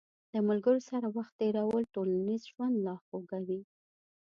د ملګرو سره وخت تېرول ټولنیز ژوند لا خوږوي.